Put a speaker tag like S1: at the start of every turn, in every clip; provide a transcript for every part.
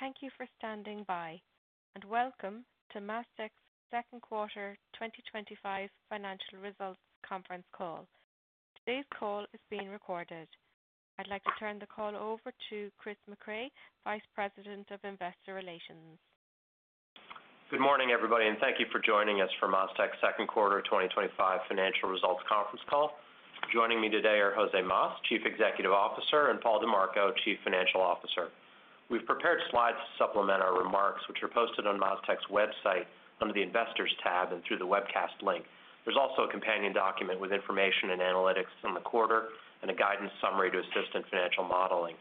S1: Thank you for standing by and welcome to MasTec's second quarter 2025 financial results conference call. Today's call is being recorded. I'd like to turn the call over to Christopher Mecray, Vice President of Investor Relations.
S2: Good morning everybody and thank you for joining us for MasTec's second quarter 2025 financial results conference call. Joining me today are Jose Mas, Chief Executive Officer, and Paul Dimarco, Chief Financial Officer. We've prepared slides to supplement our remarks, which are posted on MasTec's website under the Investors tab and through the webcast link. There's also a companion document with information and analytics on the quarter and a guidance summary to assist in financial modeling.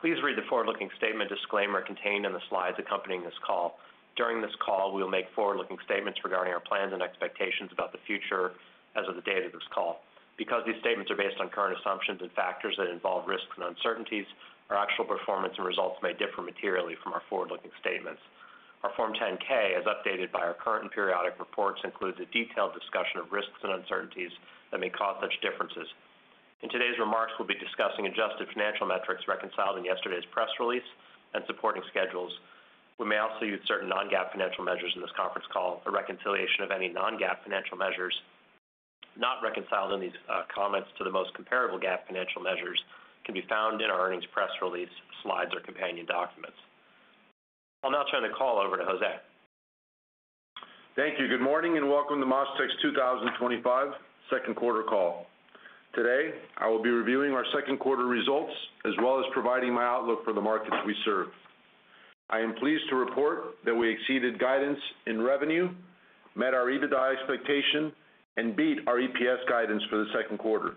S2: Please read the forward-looking statement disclaimer contained in the slides accompanying this call. During this call we will make forward-looking statements regarding our plans and expectations about the future as of the date of this call. Because these statements are based on current assumptions and factors that involve risks and uncertainties, our actual performance and results may differ materially from our forward-looking statements. Our Form 10-K as updated by our current and periodic reports includes a detailed discussion of risks and uncertainties that may cause such differences. In today's remarks, we'll be discussing adjusted financial metrics reconciled in yesterday's press release and supporting schedules. We may also use certain non-GAAP financial measures in this conference call. A reconciliation of any non-GAAP financial measures not reconciled in these comments to the most comparable GAAP financial measures can be found in our earnings press release slides or companion documents. I'll now turn the call over to Jose.
S3: Thank you. Good morning and welcome to MasTec's 2025 second quarter call. Today I will be reviewing our second quarter results as well as providing my. Outlook for the markets we serve. I am pleased to report that we exceeded guidance in revenue, met our EBITDA expectation, and beat our EPS guidance for the second quarter.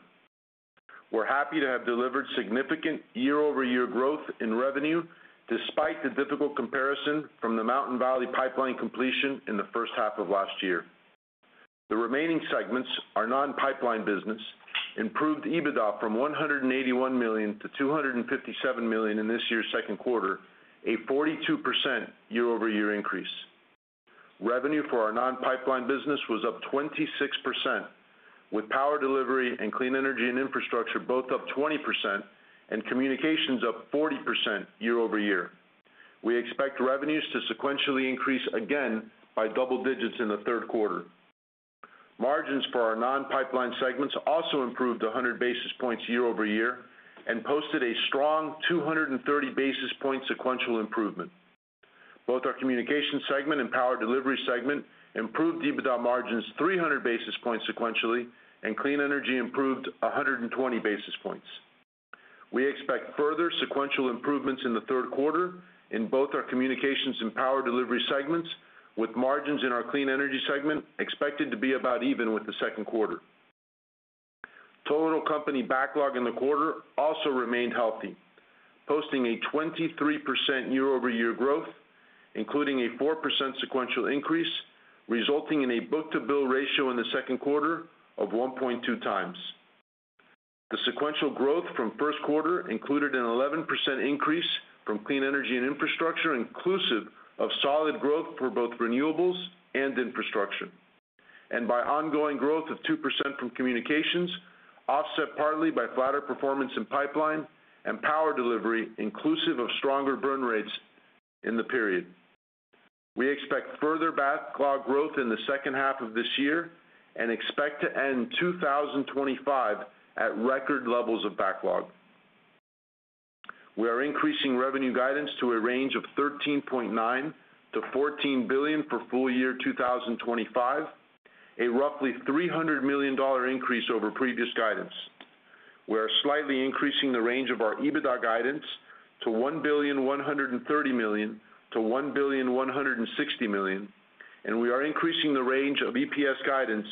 S3: We're happy to have delivered significant year over year growth in revenue despite the difficult comparison to the Mountain Valley Pipeline completion. In the first half of last year. The remaining segments, our non-pipeline business, improved EBITDA from $181 million to $257 million in this year's second quarter, a 42% year-over-year increase. Revenue for our non-pipeline business was up 26%, with power delivery and clean energy and infrastructure both up 20% and communications up 40% year-over-year. We expect revenues to sequentially increase again by double digits in the third quarter. Margins for our non-pipeline segments also improved 100 basis points year-over-year and posted a strong 230 basis point sequential improvement. Both our communications segment and power delivery segment improved EBITDA margins 300 basis points sequentially, and clean energy improved 120 basis points. We expect further sequential improvements in the third quarter in both our communications and power delivery segments, with margins in our clean energy segment expected to be about even with the second quarter. Total company backlog in the quarter also remained healthy, posting a 23% year-over-year growth, including a 4% sequential increase, resulting in a book-to-bill ratio in the second quarter of 1.2 times. The sequential growth from first quarter included an 11% increase from clean energy and infrastructure, inclusive of solid growth for both renewables and infrastructure, and by ongoing growth of 2% from communications, offset partly by flatter performance in pipeline and power delivery, inclusive of stronger burn rates in the period. We expect further backlog growth in the second half of this year and expect to end 2020 at record levels of backlog. We are increasing revenue guidance to a range of $13.9 billion to $14 billion for full year 2025, a roughly $300 million increase over previous guidance. We are slightly increasing the range of our EBITDA guidance to $1.13 billion to $1.16 billion, and we are increasing the range of EPS guidance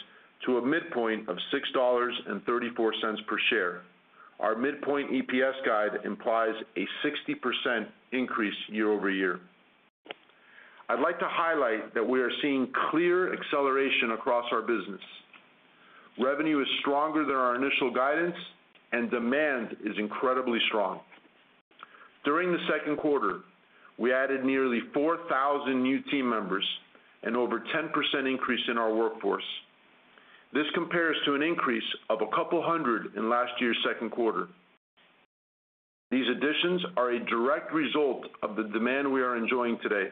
S3: to a midpoint of $6.34 per share. Our midpoint EPS guide implies a 60%. Increase year over year. I'd like to highlight that we are seeing clear acceleration across our business. Revenue is stronger than our initial guidance and demand is incredibly strong. During the second quarter we added nearly 4,000 new team members and over 10% increase in our workforce. This compares to an increase of a couple hundred in last year's second quarter. These additions are a direct result of the demand we are enjoying today,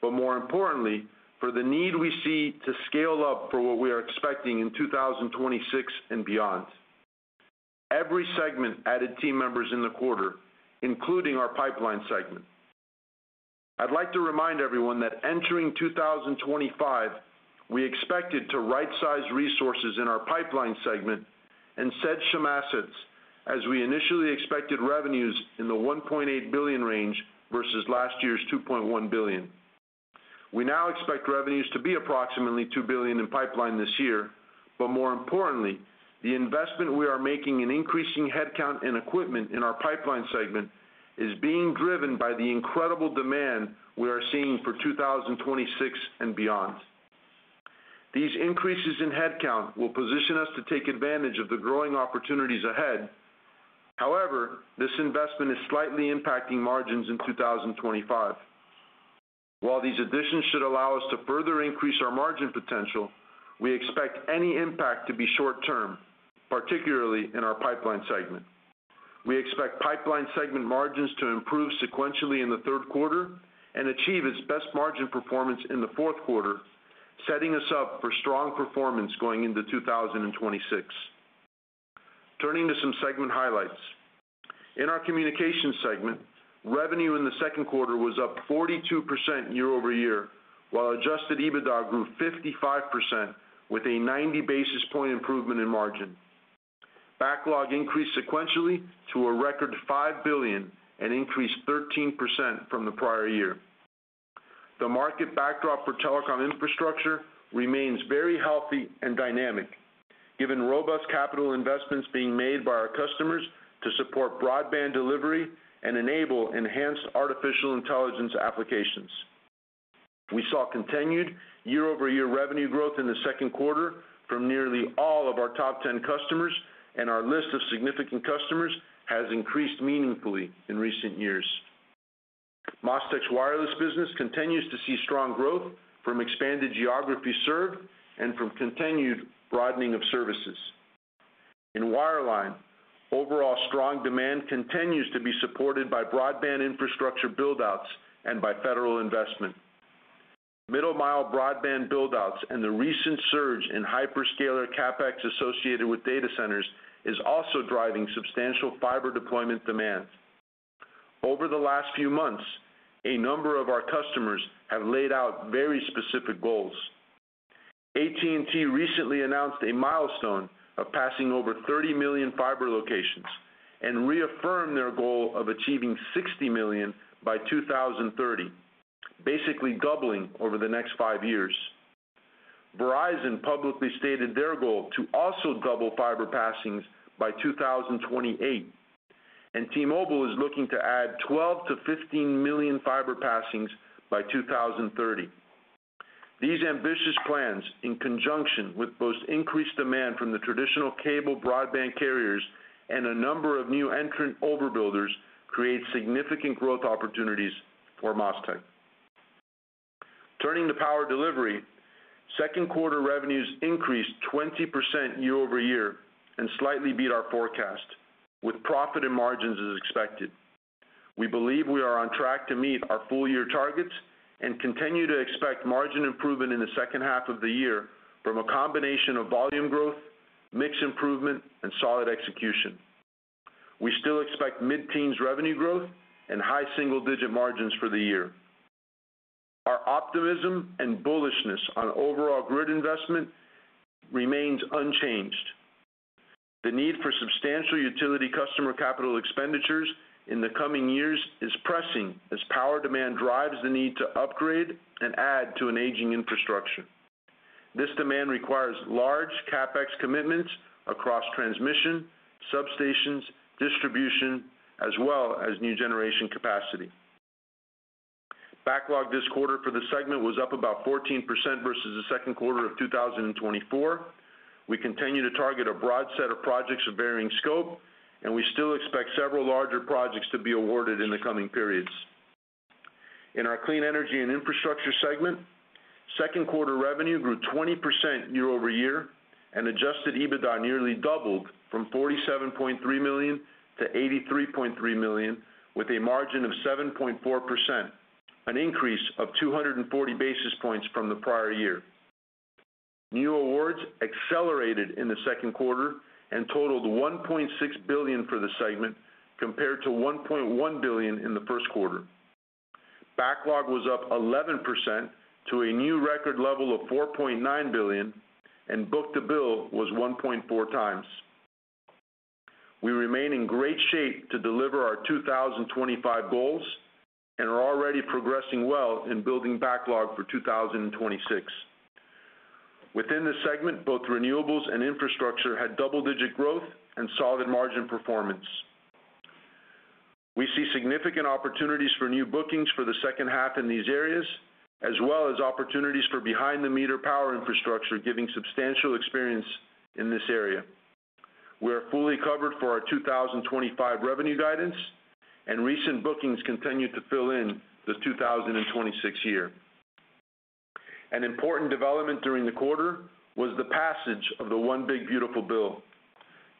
S3: but more importantly for the need we see to scale up for what we are expecting in 2026 and beyond. Every segment added team members in the quarter, including our pipeline segment. I'd like to remind everyone that entering 2025 we expected to rightsize resources in our pipeline segment and shed some assets as we initially expected revenues in the $1.8 billion range versus last year's $2.1 billion. We now expect revenues to be approximately $2 billion in pipeline this year, but more importantly, the investment we are making in increasing headcount and equipment in our pipeline segment is being driven by the incredible demand we are seeing for 2026 and beyond. These increases in headcount will position us to take advantage of the growing opportunities ahead. However, this investment is slightly impacting margins in 2025. While these additions should allow us to further increase our margin potential, we expect any impact to be short term, particularly in our pipeline segment. We expect pipeline segment margins to improve sequentially in the third quarter and achieve its best margin performance in the fourth quarter, setting us up for strong performance going into 2026. Turning to some segment highlights, in our communications segment, revenue in the second quarter was up 42% year over year while adjusted EBITDA grew 55% with a 90 basis point improvement in margin. Backlog increased sequentially to a record $5 billion and increased 13% from the prior year. The market backdrop for telecom infrastructure remains very healthy and dynamic given robust capital investments being made by our customers to support broadband delivery and enable enhanced artificial intelligence applications. We saw continued year over year revenue growth in the second quarter from nearly all of our top 10 customers and our list of significant customers has increased meaningfully in recent years. MasTec's wireless business continues to see strong growth from expanded geography served and from continued broadening of services in wireline. Overall, strong demand continues to be supported by broadband infrastructure buildouts and by federal investment. Middle mile broadband buildouts and the recent surge in hyperscaler CapEx associated with data centers is also driving substantial fiber deployment demand. Over the last few months, a number of our customers have laid out very specific goals. AT&T recently announced a milestone of passing over 30 million fiber locations and reaffirmed their goal of achieving 60 million by 2030, basically doubling over the next five years. Verizon publicly stated their goal to also double fiber passings by 2028, and T-Mobile is looking to add 12 to 15 million fiber passings by 2030. These ambitious plans, in conjunction with both increased demand from the traditional cable broadband carriers and a number of new entrant overbuilders, create significant growth opportunities for MasTec. Turning to power delivery, second quarter revenues increased 20% year over year and slightly beat our forecast with profit and margins as expected. We believe we are on track to meet our full year targets and continue to expect margin improvement in the second half of the year from a combination of volume growth, mix improvement, and solid execution. We still expect mid teens revenue growth and high single digit margins for the year. Our optimism and bullishness on overall grid investment remains unchanged. The need for substantial utility customer capital expenditures in the coming years is pressing as power demand drives the need to upgrade and add to an aging infrastructure. This demand requires large CapEx commitments across transmission, substations, distribution, as well as new generation capacity backlog. This quarter for the segment was up about 14% versus the second quarter of 2024. We continue to target a broad set of projects of varying scope, and we still expect several larger projects to be awarded in the coming periods. In our clean energy and infrastructure segment, second quarter revenue grew 20% year over year and adjusted EBITDA nearly doubled from $47.3 million to $83.3 million with a margin of 7.4%, an increase of 240 basis points from the prior year. New awards accelerated in the second quarter and totaled $1.6 billion for the segment compared to $1.1 billion in the first quarter. Backlog was up 11% to a new record level of $4.9 billion, and book-to-bill was 1.4 times. We remain in great shape to deliver our 2025 goals and are already progressing well in building backlog for 2026. Within the segment, both renewables and infrastructure had double-digit growth and solid margin performance. We see significant opportunities for new bookings for the second half in these areas, as well as opportunities for behind-the-meter power infrastructure, given substantial experience in this area. We are fully covered for our 2025 revenue guidance, and recent bookings continue to fill in the 2026 year. An important development during the quarter was the passage of the One Big Beautiful Bill.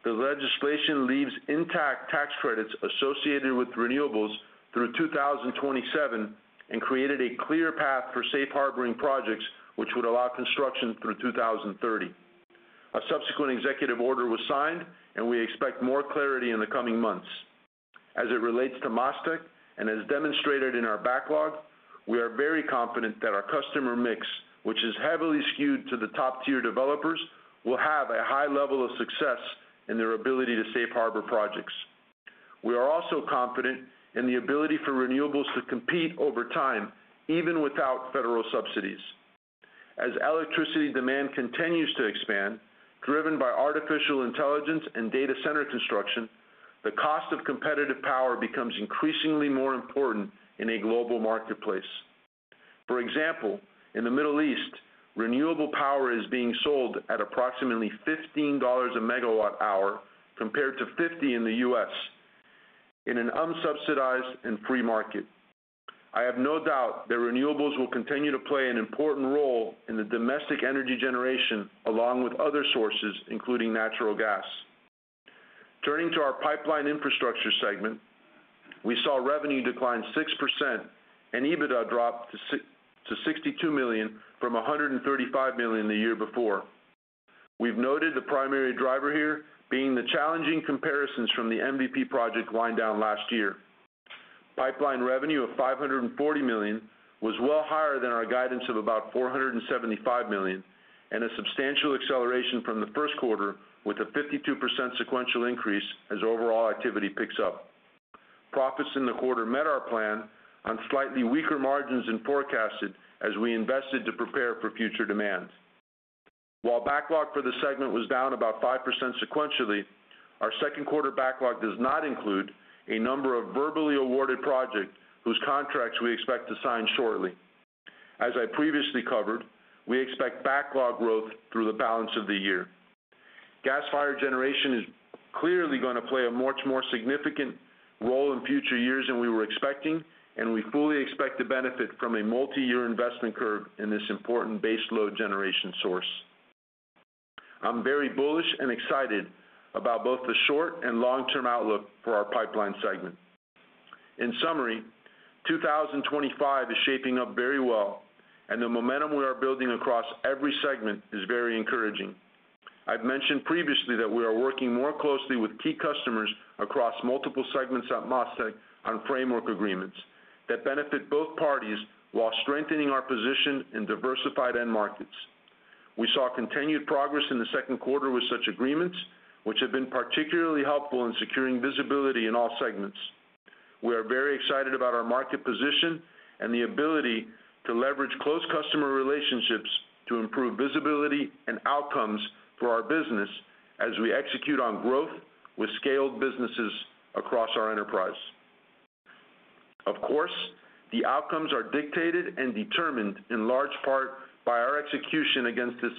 S3: The legislation leaves intact tax credits associated with renewables through 2027 and created a clear path for safe harboring projects, which would allow construction through 2030. A subsequent executive order was signed, and we expect more clarity in the coming months as it relates to MasTec, and as demonstrated in our backlog, we are very confident that our customer mix, which is heavily skewed to the top-tier developers, will have a high level of success in their ability to safe harbor projects. We are also confident in the ability for renewables to compete over time even without federal subsidies. As electricity demand continues to expand, driven by artificial intelligence and data center construction, the cost of competitive power becomes increasingly more important in a global marketplace. For example, in the Middle East, renewable power is being sold at approximately $15 a megawatt compared to $50 in the U.S. in an unsubsidized and free market. I have no doubt that renewables will continue to play an important role in the domestic energy generation along with other sources, including natural gas. Turning to our pipeline infrastructure segment, we saw revenue decline 6% and EBITDA drop to $62 million from $135 million the year before. We've noted the primary driver here being the challenging comparisons from the Mountain Valley Pipeline project wind-down last year. Pipeline revenue of $540 million was well higher than our guidance of about $475 million and a substantial acceleration from the first quarter with a 52% sequential increase as overall activity picks up. Profits in the quarter met our plan on slightly weaker margins than forecasted as we invested to prepare for future demand, while backlog for the segment was down about 5% sequentially. Our second quarter backlog does not include a number of verbally awarded projects whose contracts we expect to sign shortly. As I previously covered, we expect backlog growth through the balance of the year. Gas fired generation is clearly going to play a much more significant role in future years than we were expecting, and we fully expect to benefit from a multi-year investment curve in this important baseload generation source. I'm very bullish and excited about both the short and long term outlook for our pipeline segment. In summary, 2025 is shaping up very well, and the momentum we are building across every segment is very encouraging. I've mentioned previously that we are working more closely with key customers across multiple segments at MasTec on framework agreements that benefit both parties while strengthening our position in diversified end markets. We saw continued progress in the second quarter with such agreements, which have been particularly helpful in securing visibility in all segments. We are very excited about our market position and the ability to leverage close customer relationships to improve visibility and outcomes for our business as we execute on growth with scaled businesses across our enterprise. Of course, the outcomes are dictated and determined in large part by our execution against this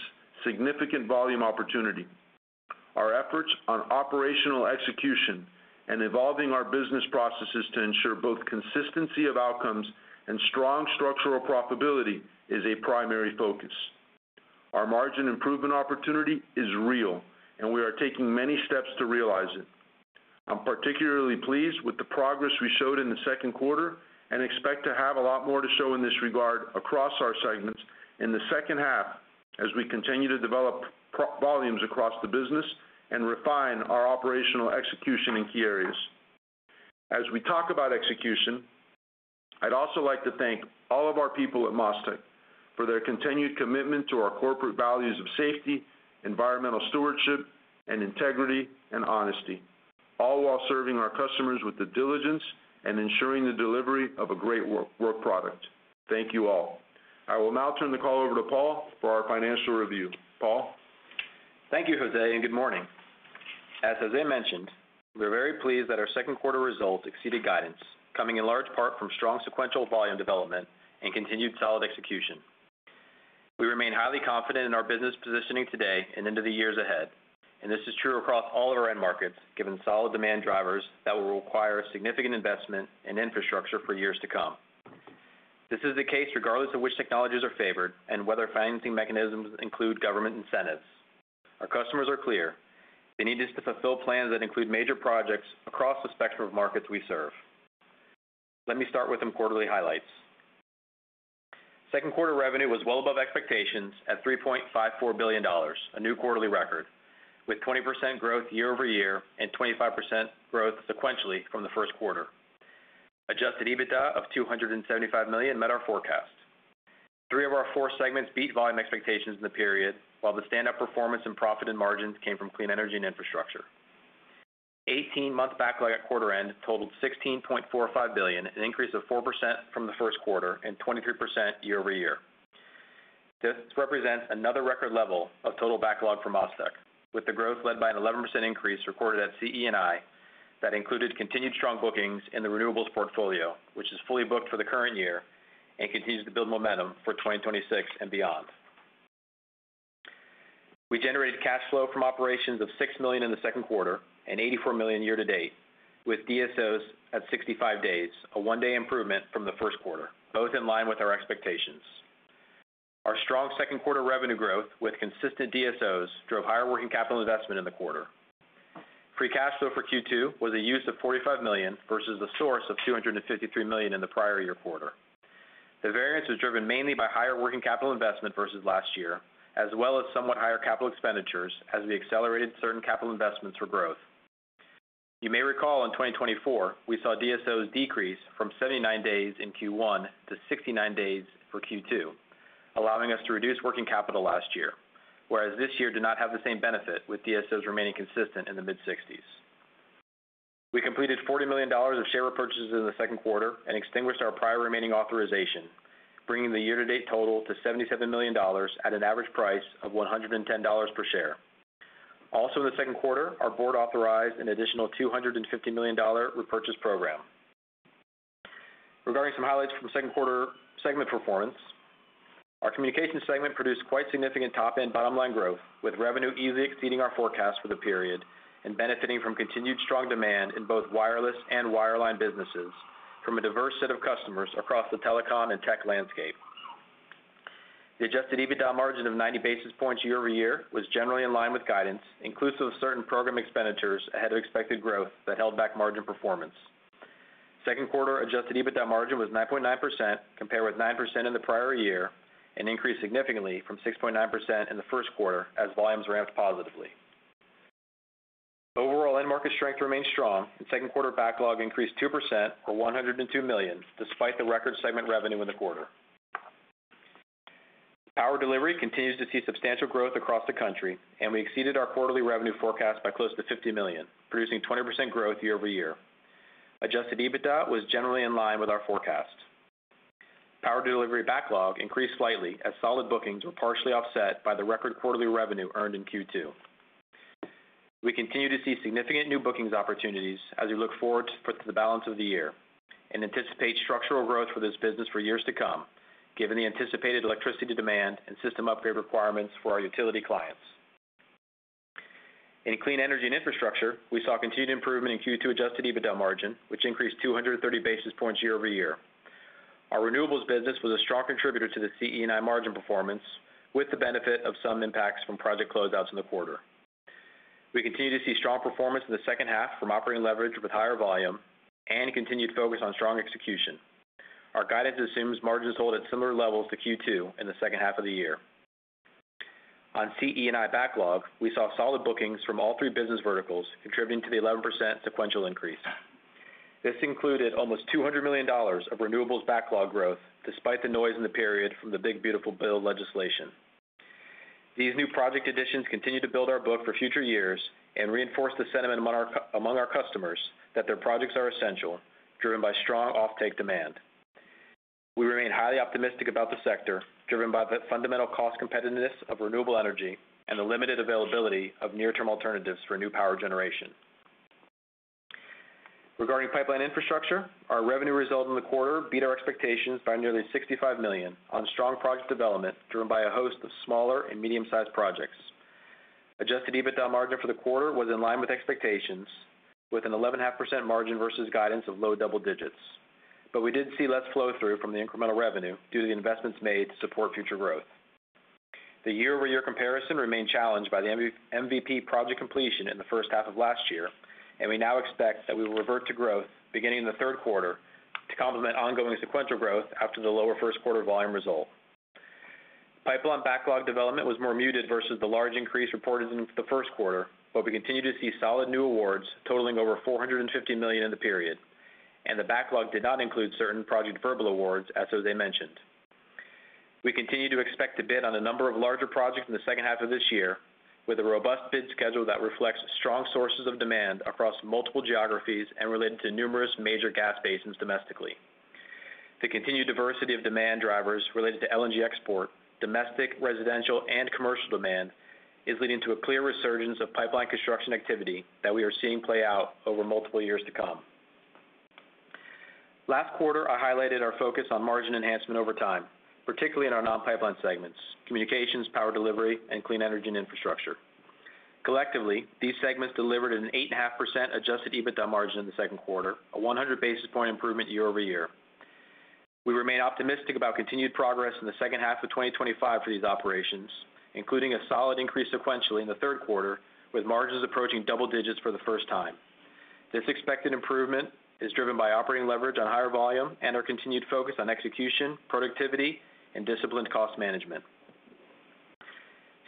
S3: significant volume opportunity. Our efforts on operational execution and evolving our business processes to ensure both consistency of outcomes and strong structural profitability is a primary focus. Our margin improvement opportunity is real, and we are taking many steps to realize it. I'm particularly pleased with the progress we showed in the second quarter and expect to have a lot more to show in this regard across our segments in the second half as we continue to develop volumes across the business and refine our operational execution in key areas. As we talk about execution, I'd also like to thank all of our people at MasTec for their continued commitment to our corporate values of safety, environmental stewardship, and integrity and honesty, all while serving our customers with the diligence and ensuring the delivery of a great work product. Thank you all. I will now turn the call over. To Paul for our financial review.
S4: Paul thank you Jose and good morning. As Jose mentioned, we are very pleased that our second quarter results exceeded guidance, coming in large part from strong sequential volume development and continued solid execution. We remain highly confident in our business positioning today and into the years ahead, and this is true across all of our end markets. Given solid demand drivers that will require significant investment in infrastructure for years to come, this is the case regardless of which technologies are favored and whether financing mechanisms include government incentives. Our customers are clear they need us to fulfill plans that include major projects across the spectrum of markets we serve. Let me start with some quarterly highlights. Second quarter revenue was well above expectations at $3.54 billion, a new quarterly record with 20% growth year over year and 25% growth sequentially from the first quarter. Adjusted EBITDA of $275 million met our forecast. Three of our four segments beat volume expectations in the period, while the standout performance in profit and margins came from clean energy and infrastructure. Eighteen-month backlog at quarter end totaled $16.45 billion, an increase of 4% from the first quarter and 23% year over year. This represents another record level of total backlog for MasTec, with the growth led by an 11% increase recorded at CEI that included continued strong bookings in the renewables portfolio, which is fully booked for the current year and continues to build momentum for 2026 and beyond. We generated cash flow from operations of $6 million in the second quarter and $84 million year to date, with DSOs at 65 days, a one day improvement from the first quarter, both in line with our expectations. Our strong second quarter revenue growth with consistent DSOs drove higher working capital investment in the quarter. Free cash flow for Q2 was a use of $45 million versus a source of $253 million in the prior year quarter. The variance was driven mainly by higher working capital investment versus last year as well as somewhat higher capital expenditures as we accelerated certain capital investments for growth. You may recall in 2024 we saw DSOs decrease from 79 days in Q1 to 69 days for Q2, allowing us to reduce working capital last year, whereas this year did not have the same benefit with DSOs remaining consistent in the mid-60s. We completed $40 million of share repurchases in the second quarter and extinguished our prior remaining authorization, bringing the year to date total to $77 million at an average price of $110 per share. Also in the second quarter, our Board authorized an additional $250 million repurchase program. Regarding some highlights from second quarter segment performance, our communications segment produced quite significant top and bottom line growth with revenue easily exceeding our forecast for the period and benefiting from continued strong demand in both wireless and wireline businesses from a diverse set of customers across the telecom and tech landscape. The adjusted EBITDA margin of 90 basis points year over year was generally in line with guidance, inclusive of certain program expenditures ahead of expected growth that held back margin performance. Second quarter adjusted EBITDA margin was 9.9% compared with 9% in the prior year and increased significantly from 6.9% in the first quarter as volumes ramped positively. Overall end market strength remains strong and second quarter backlog increased 2% or $102 million. Despite the record segment revenue in the. Quarter. Power delivery continues to see substantial growth across the country, and we exceeded our quarterly revenue forecast by close to $50 million, producing 20% growth year over year. Adjusted EBITDA was generally in line with our forecast. Power delivery backlog increased slightly, as solid bookings were partially offset by the record quarterly revenue earned in Q2. We continue to see significant new bookings opportunities as we look forward for the balance of the year and anticipate structural growth for this business for years to come, given the anticipated electricity demand and system upgrade requirements for our utility clients. In. Clean energy and infrastructure, we saw continued improvement in Q2 adjusted EBITDA margin, which increased 230 basis points year over year. Our renewables business was a strong contributor to the CE&I margin performance, with the benefit of some impacts from project closeouts in the quarter. We continue to see strong performance in the second half from operating leverage with higher volume and continued focus on strong execution. Our guidance assumes margins hold at similar levels to Q2 in the second half of the year. On CE&I backlog, we saw solid bookings from all three business verticals contributing to the 11% sequential increase. This included almost $200 million of renewables backlog growth. Despite the noise in the period from the One Big Beautiful Bill legislation, these new project additions continue to build our book for future years and reinforce the sentiment among our customers that their projects are essential, driven by strong offtake demand. We remain highly optimistic about the sector, driven by the fundamental cost competitiveness of renewable energy and the limited availability of near-term alternatives for new power generation. Regarding pipeline infrastructure, our revenue result in the quarter beat our expectations by nearly $65 million on strong project development driven by a host of smaller and medium-sized projects. Adjusted EBITDA margin for the quarter was in line with expectations, with an 11.5% margin versus guidance of low double digits, but we did see less flow through from the incremental revenue due to the investments made to support future growth. The year over year comparison remained challenged by the Mountain Valley Pipeline project completion in the first half of last year, and we now expect that we will revert to growth beginning in the third quarter to complement ongoing sequential growth after the lower first quarter volume. Result pipeline backlog development was more muted versus the large increase reported in the first quarter, but we continue to see solid new awards totaling over $450 million in the period, and the backlog did not include certain project verbal awards. As Jose Mas mentioned, we continue to expect to bid on a number of larger projects in the second half of this year with a robust bid schedule that reflects strong sources of demand across multiple geographies and related to numerous major gas basins. Domestic, the continued diversity of demand drivers related to LNG, export, domestic residential and commercial demand is leading to a clear resurgence of pipeline construction activity that we are seeing play out over multiple years to come. Last quarter I highlighted our focus on margin enhancement over time, particularly in our non-pipeline segments Communications, Power Delivery, and Clean Energy and Infrastructure. Collectively, these segments delivered an 8.5% adjusted EBITDA margin in the second quarter, a 100 basis point improvement year over year. We remain optimistic about continued progress in the second half of 2025 for these operations, including a solid increase sequentially in the third quarter with margins approaching double digits for the first time. This expected improvement is driven by operating leverage on higher volume and our continued focus on execution, productivity, and disciplined cost management.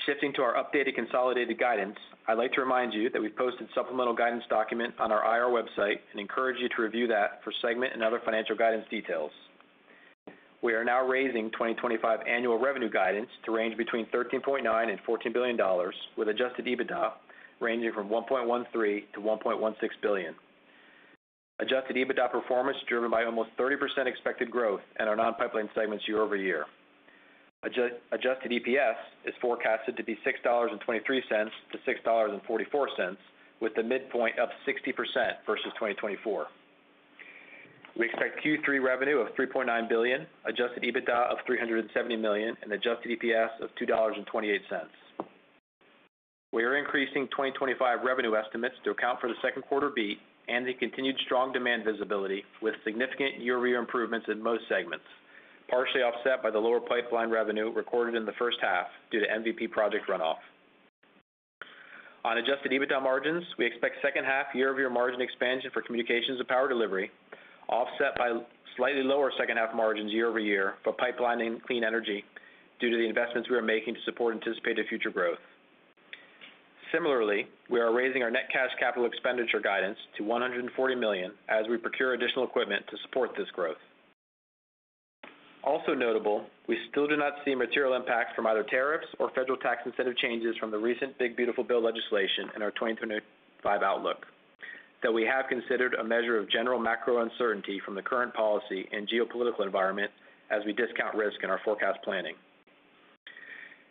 S4: Shifting to our updated consolidated guidance, I'd like to remind you that we posted a supplemental guidance document on our IR website and encourage you to review that for segment and other financial guidance details. We are now raising 2025 annual revenue guidance to range between $13.9 and $14 billion, with adjusted EBITDA ranging from $1.13 to $1.16 billion. Adjusted EBITDA performance is driven by almost 30% expected growth in our non-pipeline segments year over year. Adjusted EPS is forecasted to be $6.23 to $6.44, with the midpoint up 60% versus 2024. We expect Q3 revenue of $3.9 billion, adjusted EBITDA of $370 million, and adjusted EPS of $2.28. We are increasing 2025 revenue estimates to account for the second quarter beat and the continued strong demand visibility, with significant year over year improvements in most segments, partially offset by the lower pipeline revenue recorded in the first half due to Mountain Valley Pipeline project runoff. On adjusted EBITDA margins, we expect second half year over year margin expansion for Communications and Power Delivery, offset by slightly lower second half margins year over year for pipeline and Clean Energy due to the investments we are making to support anticipated future growth. Similarly, we are raising our net cash capital expenditure guidance to $140 million as we procure additional equipment to support this growth. Also notable, we still do not see material impact from either tariffs or federal tax incentive changes from the recent One Big Beautiful Bill legislation in our 2025 outlook. We have considered a measure of general macro uncertainty from the current policy and geopolitical environment as we discount risk in our forecast planning.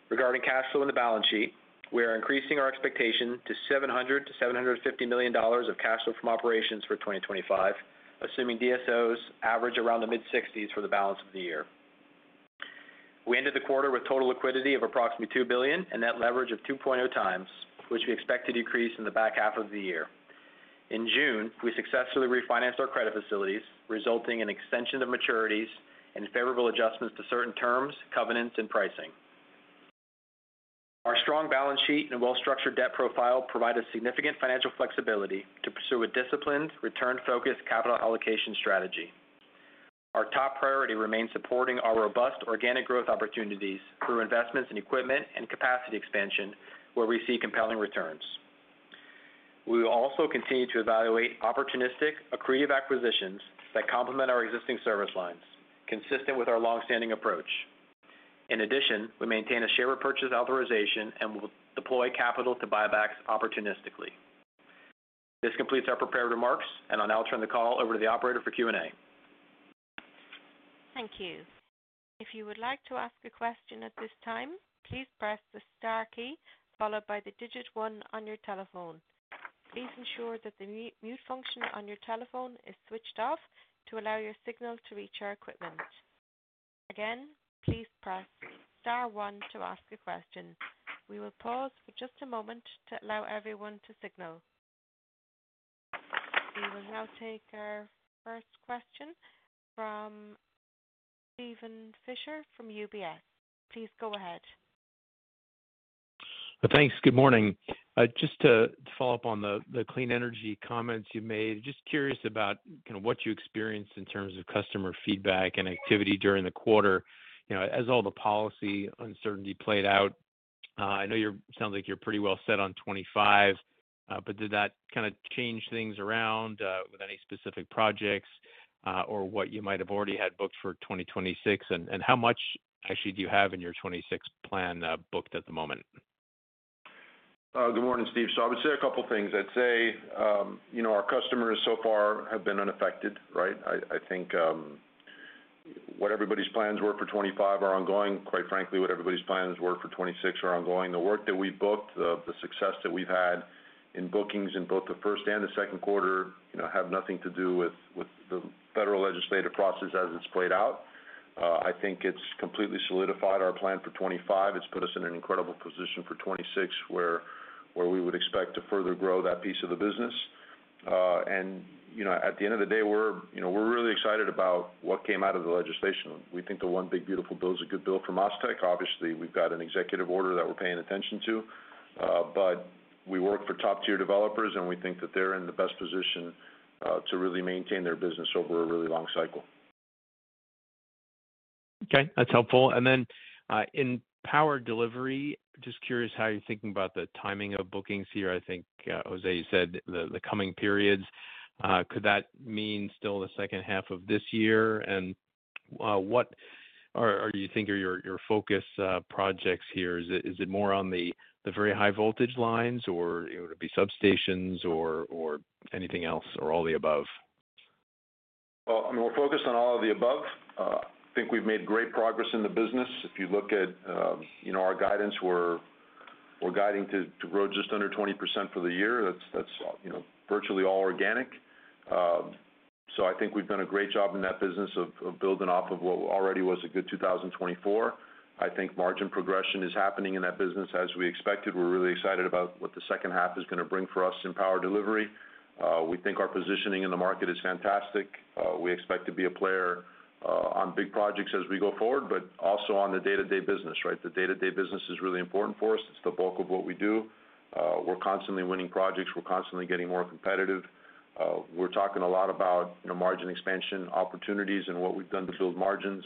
S4: Regarding cash flow and the balance sheet, we are increasing our expectation to $700 to $750 million of cash flow from operations for 2025, assuming DSOs average around the mid-60s for the balance of the year. We ended the quarter with total liquidity of approximately $2 billion and net leverage of 2.0x, which we expect to decrease in the back half of the year. In June, we successfully refinanced our credit facilities, resulting in extension of maturities and favorable adjustments to certain terms, covenants, and pricing. Our strong balance sheet and well-structured debt profile provide us significant financial flexibility to pursue a disciplined, return-focused capital allocation strategy. Our top priority remains supporting our robust organic growth opportunities through investments in equipment and capacity expansion where we see compelling returns. We will also continue to evaluate opportunistic, accretive acquisitions that complement our existing service lines, consistent with our long-standing approach. In addition, we maintain a share repurchase authorization and will deploy capital to buybacks opportunistically. This completes our prepared remarks and I'll now turn the call over to the operator for Q and A.
S1: Thank you. If you would like to ask a question at this time, please press the star key followed by the digit 1 on your telephone. Please ensure that the mute function on your telephone is switched off to allow your signal to reach our equipment. Again, please press star 1 to ask a question. We will pause for just a moment to allow everyone to signal. We will now take our first question from Steven Fisher from UBS. Please go ahead.
S5: Thanks. Good morning. Just to follow up on the clean energy comments you made, just curious about what you experienced in terms of customer feedback and activity during the quarter as all the policy uncertainty played out. I know it sounds like you're pretty well set on 2025, but did that change things around with any specific projects or what you might have already had booked for 2026, and how much actually do you have in your 2026 plan booked at the moment?
S3: Good morning, Steve. I would say a couple things. I'd say, you know, our customers so far have been unaffected. I think what everybody's plans were for 2025 are ongoing. Quite frankly, what everybody's plans were for 2026 are ongoing. The work that we booked, the success that we've had in bookings in both the first and the second quarter have nothing to do with the federal legislative process as it's played out. I think it's completely solidified our plan for 2025. It's put us in an incredible position for 2026 where we would expect to further grow that piece of the business. At the end of the day, we're really excited about what came out of the legislation. We think the One Big Beautiful Bill is a good bill for MasTec. Obviously, we've got an executive order that we're paying attention to, but we work for top tier developers and we think that they're in the best position to really maintain their business over a really long cycle.
S5: Okay, that's helpful. In power delivery, just curious how you're thinking about the timing of bookings here. I think Jose Mas said the coming periods. Could that mean still the second half of this year? What do you think are your focus projects here? Is it more on the very high voltage lines or substations or anything else or all the above?
S3: We're focused on all of the above. I think we've made great progress in the business. If you look at our guidance, we're guiding to grow just under 20% for the year. That's virtually all organic. I think we've done a great job in that business of building off of what already was a good 2024. I think margin progression is happening in that business as we expected. We're really excited about what the second half is going to bring for us in power delivery. We think our positioning in the market is fantastic. We expect to be a player on big projects as we go forward, but also on the day-to-day business. The day-to-day business is really important for us. It's the bulk of what we do. We're constantly winning projects, we're constantly getting more competitive. We're talking a lot about margin expansion opportunities and what we've done to build margins.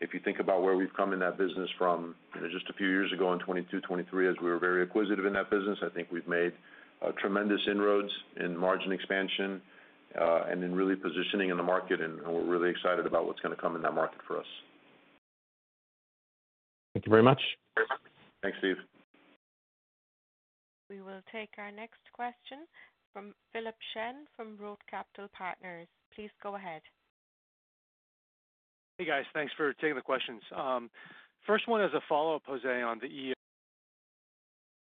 S3: If you think about where we've come in that business from just a few years ago in 2022, 2023, as we were very acquisitive in that business, I think we've made tremendous inroads in margin expansion and in really positioning in the market and we're really excited about what's going to come in that market for us.
S5: Thank you very much.
S3: Thanks, Steve.
S1: We will take our next question from Philip Shen from Roth Capital Partners, please go ahead.
S6: Hey guys, thanks for taking the questions. First one is a follow up, Jose, on the,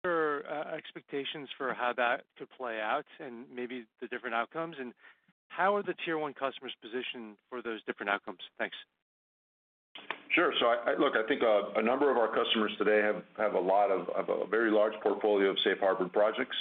S6: what are your expectations for how that could play out and maybe the different outcomes, and how are the Tier one customers positioned for those different outcomes? Thanks.
S3: Sure. I think a number of our customers today have a very large portfolio of safe harbor projects.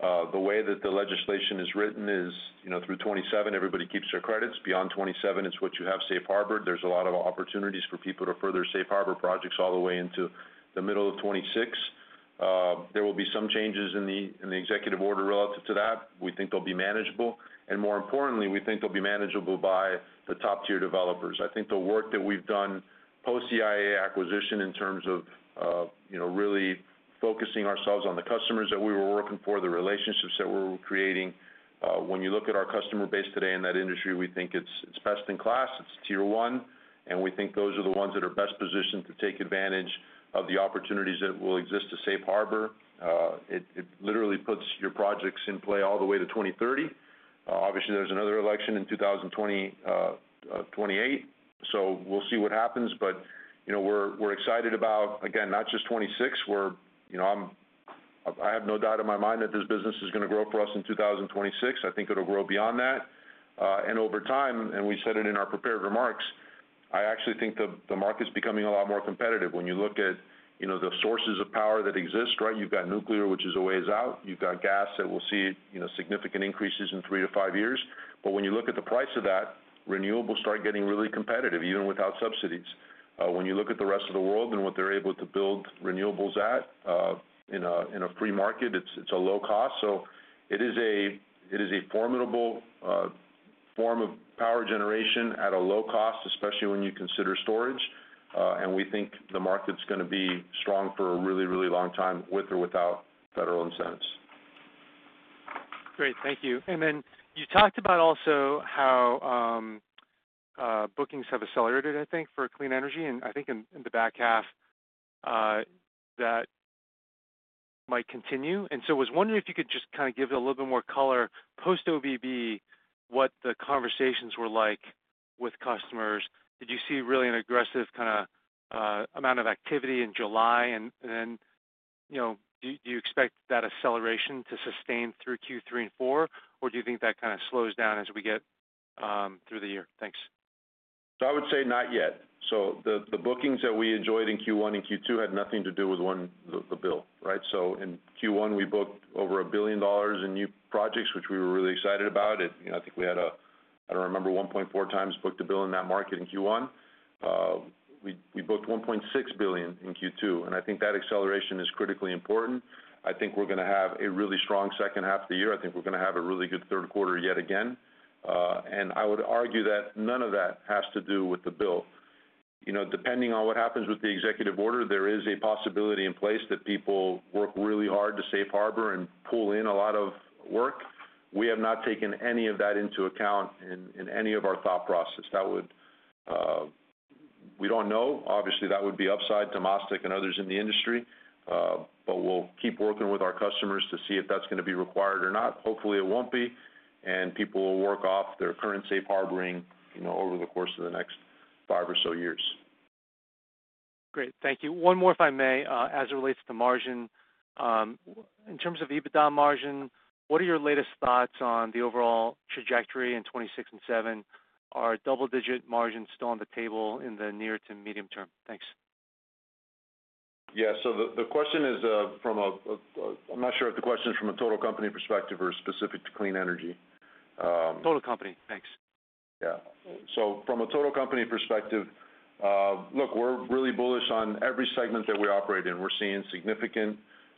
S3: The way that the legislation is written is, you know, through 2027, everybody keeps their credits. Beyond 2027, it's what you have, safe harbor. There's a lot of opportunities for people to further safe harbor projects all the way into the middle of 2026. There will be some changes in the executive order relative to that. We think they'll be manageable and, more importantly, we think they'll be manageable by the top tier developers. I think the work that we've done post the IA acquisition in terms of really focusing ourselves on the customers that we were working for, the relationships that we're creating. When you look at our customer base today in that industry, we think it's best in class, it's tier one, and we think those are the ones that are best positioned to take advantage of the opportunities that will exist to safe harbor. It literally puts your projects in play all the way to 2030. Obviously, there's another election in 2028, so we'll see what happens. We're excited about, again, not just 2026. I have no doubt in my mind that this business is going to grow for us in 2026. I think it'll grow beyond that and over time, and we said it in our prepared remarks, I actually think the market's becoming a lot more competitive. When you look at the sources of power that exist, you've got nuclear, which is a ways out. You've got gas that will see significant increases in three to five years. When you look at the price of that, renewables start getting really competitive even without subsidies. When you look at the rest of the world and what they're able to build renewables at in a free market, it's a low cost. It is a formidable form of power generation at a low cost, especially when you consider storage. We think the market's going to be strong for a really, really long time, with or without federal incentives.
S6: Great, thank you. You talked about how bookings have accelerated, I think for clean energy. I think in the back half that might continue. I was wondering if you could just kind of give a little bit more color post One Big Beautiful Bill, what the conversations were like with customers. Did you see really an aggressive kind of amount of activity in July, and do you expect that acceleration to sustain through Q3 and Q4, or do you think that kind of slows down as we get through the year? Thanks.
S3: I would say not yet. The bookings that we enjoyed in Q1 and Q2 had nothing to do with One Big Beautiful Bill. In Q1, we booked over $1 billion in new projects, which we were really excited about. I think we had a, I don't remember, 1.4 times book-to-bill in that market. In Q1, we booked $1.6 billion in Q2, and I think that acceleration is critically important. I think we're going to have a really strong second half of the year. I think we're going to have a really good third quarter yet again. I would argue that none of that has to do with the bill. Depending on what happens with the executive order, there is a possibility in place that people work really hard to safe harbor and pull in a lot of work. We have not taken any of that into account in any of our thought process. We don't know. Obviously, that would be upside to MasTec and others in the industry, but we'll keep working with our customers to see if that's going to be required or not. Hopefully, it won't be and people will work off their current safe harboring over the course of the next five or so years.
S6: Great, thank you. One more if I may, as it relates to margin in terms of EBITDA margin, what are your latest thoughts on the overall trajectory in 2026 and 2027? Are double digit margins still on the table in the near to medium term? Thanks.
S3: Yes, the question is from a. I'm. Not sure if the question is from. A total company perspective is specific to clean energy.
S6: Total company.
S3: Thanks. Yeah. From a total company perspective, look, we're really bullish on every segment that we operate in. We're seeing significant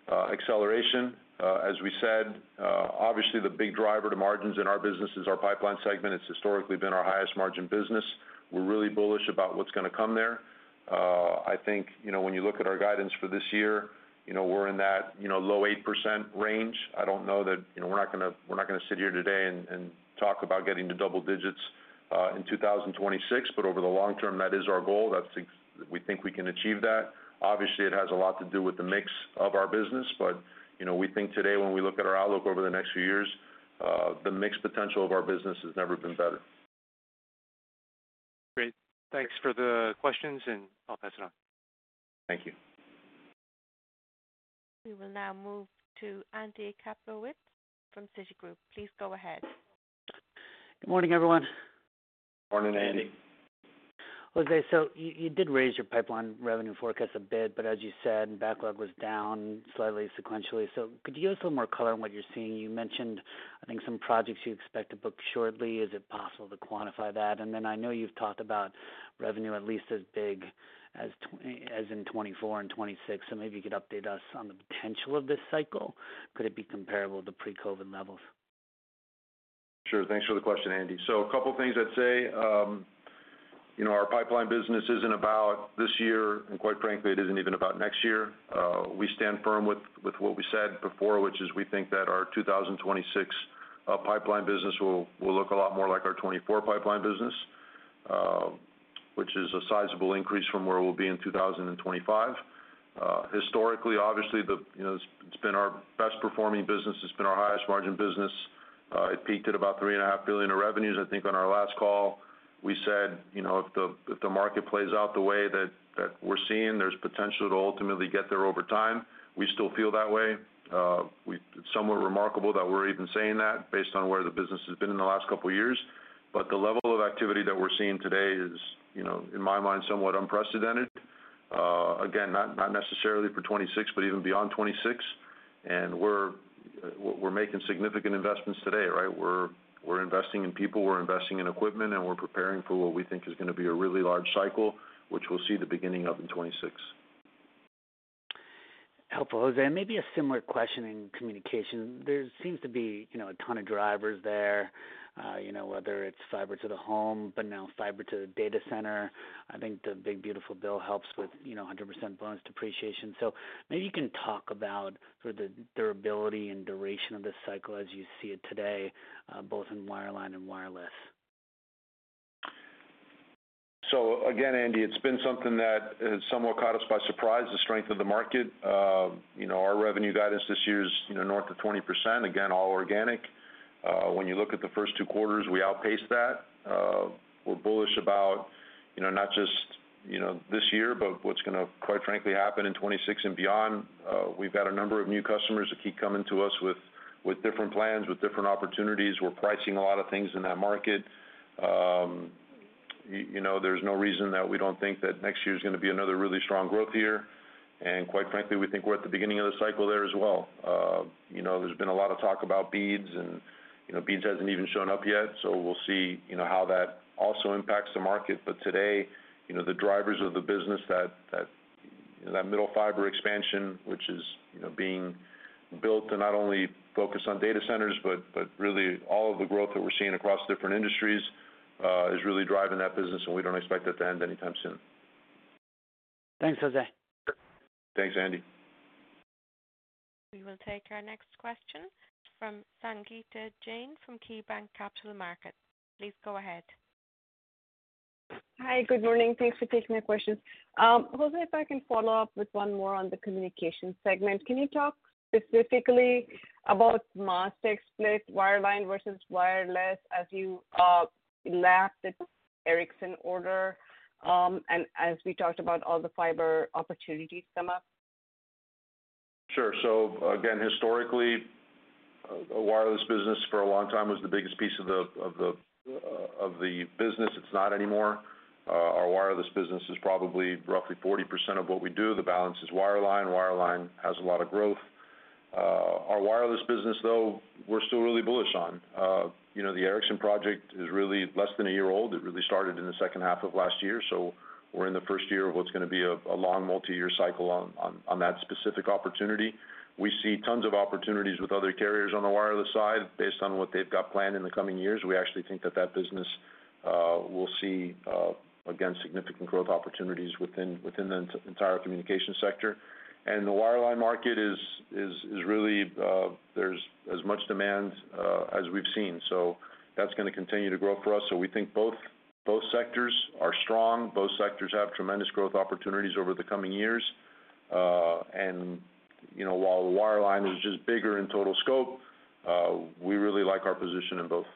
S3: acceleration as we said. Obviously, the big driver to margins in our business is our pipeline segment. It's historically been our highest margin business. We're really bullish about what's going to come there. I think, you know, when you look at our guidance for this year, we're in that low 8% range. I don't know that, you know, we're not going to sit here today and talk about getting to double digits in 2026. Over the long term, that is our goal. We think we can achieve that. Obviously, it has a lot to do with the mix of our business. We think today, when we look at our outlook over the next few years, the mix potential of our business has never been better.
S6: Great. Thanks for the questions, and I'll pass it on.
S3: Thank you.
S1: We will now move to Andrew Kaplowitz from Citigroup. Please go ahead.
S7: Good morning, everyone.
S3: Morning, Andrew.
S7: Jose, you did raise your pipeline revenue forecast a bit, but as you said, backlog was down slightly sequentially. Could you give us a little more color on what you're seeing? You mentioned, I think, some projects you expect to book shortly. Is it possible to quantify that? I know you've talked about revenue at least as big as in 2024 and 2026. Maybe you could update us on the potential of this cycle. Could it be comparable to pre-COVID levels?
S3: Sure. Thanks for the question, Andrew. A couple things I'd say, you. Our pipeline business isn't about this year, and quite frankly, it isn't even about next year. We stand firm with what we said before, which is we think that our 2026 pipeline business will look a lot more like our 2024 pipeline business, which is a sizable increase from where we'll be in 2025. Historically, it's been our best performing business. It's been our highest margin business. It peaked at about $3.5 billion of revenues. I think on our last call we said if the market plays out the way that we're seeing, there's potential to ultimately get there over time. We still feel that way. It's somewhat remarkable that we're even saying that based on where the business has been in the last couple of years. The level of activity that we're seeing today is, in my mind, somewhat unprecedented. Not necessarily for 2026, but even beyond 2026. We're making significant investments today. We're investing in people, we're investing in equipment, and we're preparing for what we think is going to be a really large cycle which we'll see the beginning of in 2026.
S7: Helpful. Jose, maybe a similar question in communication. There seems to be a ton of drivers there, whether it's fiber to the home, but now fiber to the data center. I think the One Big Beautiful Bill helps with 100% bonus depreciation. Maybe you can talk about the durability and duration of this cycle as you see it today both in wireline and wireless.
S3: Again, Andrew, it's been something that has somewhat caught us by surprise, the strength of the market. Our revenue guidance this year is north of 20% again, all organic. When you look at the first 2 quarters, we outpaced that. We're bullish about, you know, not just, you know, this year, but what's going to, quite frankly, happen in 2016 and beyond. We've got a number of new customers that keep coming to us with different plans, with different opportunities. We're pricing a lot of things in that market. There's no reason that we don't think that next year is going to be another really strong growth year. Quite frankly, we think we're at the beginning of the cycle there as well. There's been a lot of talk about BEADs and BEAD hasn't even shown up yet. We'll see how that also impacts the market. Today, the drivers of the business, that middle fiber expansion, which is being built to not only focus on data centers, but really all of the growth that we're seeing across different industries, is really driving that business and we don't expect that to end anytime soon.
S7: Thanks, Jose.
S3: Thanks, Andrew.
S1: We will take our next question from Sangita Jain from KeyBanc Capital Markets. Please go ahead.
S8: Hi, good morning. Thanks for taking the questions. Jose, if I can follow up with one more on the communications segment, can you talk specifically about MasTec split wireline versus wireless as you lap the Ericsson order, and as we talked about, all the fiber opportunities come up.
S3: Sure. Historically, a wireless business for a long time was the biggest piece of the business. It's not anymore. Our wireless business is probably roughly 40% of what we do. The balance is wireline. Wireline has a lot of growth. Our wireless business, though, we're still really bullish on. The Ericsson project is really less than a year old. It really started in the second half of last year. We're in the first year of what's going to be a long multi-year cycle on that specific opportunity. We see tons of opportunities with other carriers on the wireless side based on what they've got planned in the coming years. We actually think that business will see significant growth opportunities within the entire communications sector. The wireline market is really, there's as much demand as we've seen. That's going to continue to grow for us. We think both sectors are strong. Both sectors have tremendous growth opportunities over the coming years. While wireline is just bigger in total scope, we really like our position in both.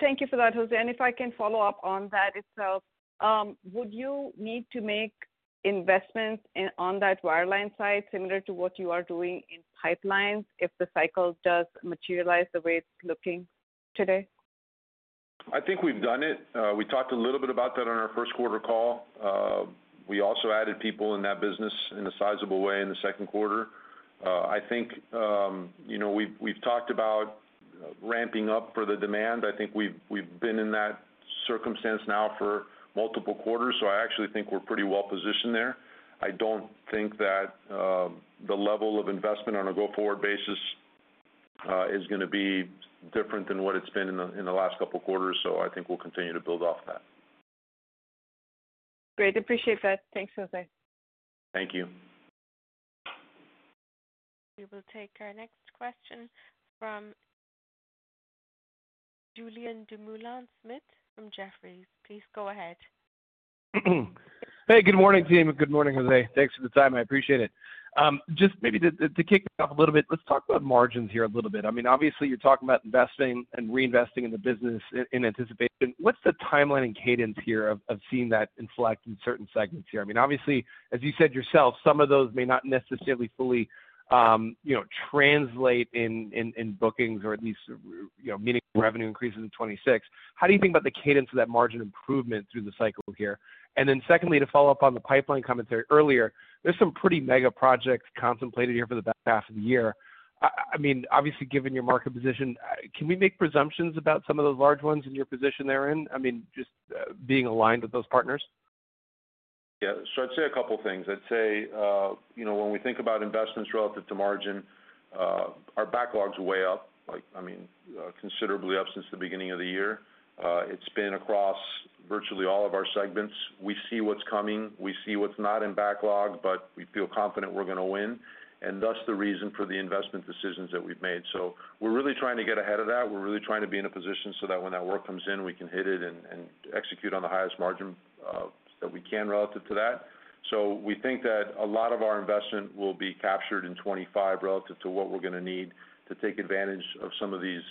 S8: Thank you for that, Jose. If I can follow up on that itself, would you need to make investments on that wireline side similar to what you are doing in pipelines if the cycle does materialize the way? It's looking today, I think we've done it.
S3: We talked a little bit about that. On our first quarter call. We also added people in that business in a sizable way in the second quarter. I think we've talked about ramping up for the demand. I think we've been in that circumstance now for multiple quarters. I actually think we're pretty well positioned there. I don't think that the level of investment on a go forward basis is going to be different than what it's been in the last couple quarters. I think we'll continue to build off that.
S8: Great. Appreciate that. Thanks, Jose.
S3: Thank you.
S1: We will take our next question from Julien Dumoulin-Smith from Jefferies. Please go ahead.
S9: Hey, good morning, team. Good morning, Jose. Thanks for the time. I appreciate it. Just maybe to kick off a little bit, let's talk about margins here a little bit. Obviously, you're talking about investing and reinvesting in the business in anticipation. What's the timeline and cadence here of seeing that inflect in certain segments here? Obviously, as you said yourself, some of those may not necessarily fully translate in bookings or at least meaning revenue increases in 2026. How do you think about the cadence of that margin improvement through the cycle here? Secondly, to follow up on the pipeline commentary earlier, there's some pretty mega projects contemplated here for the back half of the year. Obviously, given your market position, can we make presumptions about some of those large ones in your position therein? Just being aligned with those partners. Yeah.
S3: I'd say a couple things. When we think about investments relative to margins, our backlog is way up, I mean, considerably up. Since the beginning of the year, it's been across virtually all of our segments. We see what's coming, we see what's not in backlog, but we feel confident we're going to win and thus the reason for the investment decisions that we've made. We're really trying to get ahead of that. We're really trying to be in a position so that when that work comes in we can hit it and execute on the highest margin that we can relative to that. We think that a lot of our investment will be captured in 2025 relative to what we're going to need to take advantage of some of these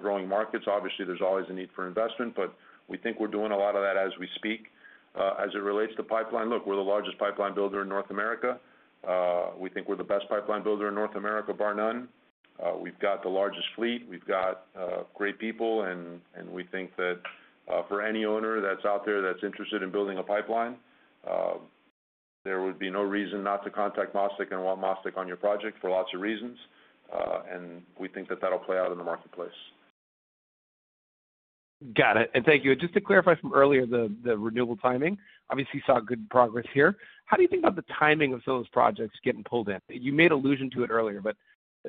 S3: growing markets. Obviously there's always a need for investment, but we think we're doing a lot of that as we speak as it relates to pipeline. Look, we're the largest pipeline builder in North America. We think we're the best pipeline builder in North America, bar none. We've got the largest fleet, we've got great people. We think that for any owner that's out there that's interested in building a pipeline, there would be no reason not to contact MasTec and want MasTec on your project for lots of reasons. We think that that will play out in the marketplace.
S9: Got it. Thank you. Just to clarify from earlier, the renewal timing obviously saw good progress here. How do you think about the timing of those projects getting pulled in? You made allusion to it earlier, but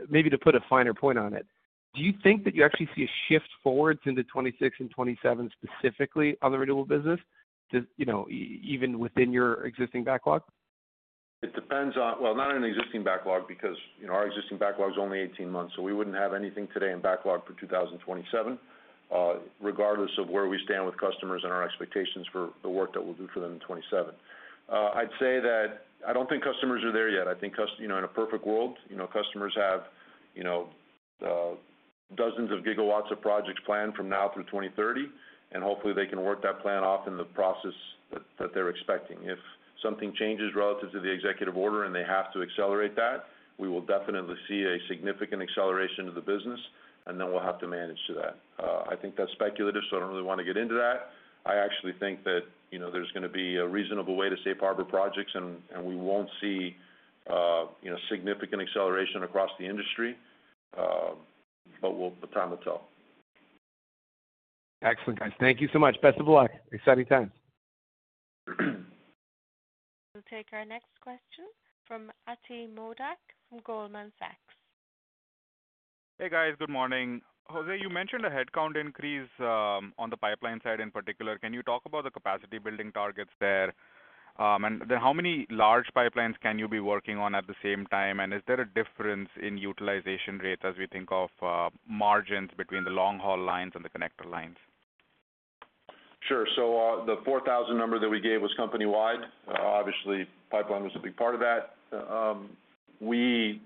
S9: maybe to put a finer point on it, do you think that you actually see a shift forward into 2026 and 2027 specifically on the renewable business even within your existing backlog?
S3: It depends on, not an existing backlog because our existing backlog is only 18 months. We wouldn't have anything today in backlog for 2027. Regardless of where we stand with customers and our expectations for the work that we'll do for them in 2027, I'd say that I don't think customers are there yet. I think in a perfect world, customers have dozens of gigawatts of projects planned from now through 2030, and hopefully they can work that plan off in the process that they're expecting. If something changes relative to the executive order and they have to accelerate that, we will definitely see a significant acceleration of the business, and then we'll have to manage to that. I think that's speculative, so I don't really want to get into that. I actually think that there's going to be a reasonable way to safe harbor projects, and we won't see significant acceleration across the industry, but time will tell.
S9: Excellent guys. Thank you so much. Best of luck. Exciting times.
S1: We'll take our next question from Atidrip Modak from Goldman Sachs.
S10: Hey guys, good morning. Jose, you mentioned a headcount increase on the pipeline side in particular. Can you talk about the capacity building targets there and how many large pipelines can you be working on at the same time? Is there a difference in utilization rate as we think of margins between the long haul lines and the connector lines?
S3: Sure. The 4,000 number that we gave was company wide. Obviously, pipeline was a big part of that. We